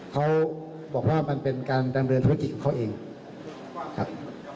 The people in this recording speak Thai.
เขาบอกว่ามันเป็นการดำเนินธุรกิจของเขาเองครับ